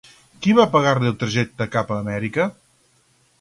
Qui va pagar-li el trajecte cap a Amèrica?